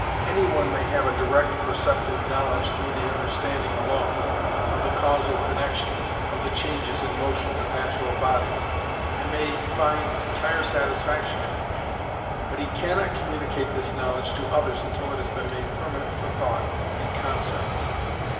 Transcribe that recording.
Any one may have a direct perceptive knowledge through the understanding alone, of the causal connection, of the changes and motions of natural bodies, and he may find entire satisfaction in it; but he cannot communicate this knowledge to others until it has been made permanent for thought in concepts.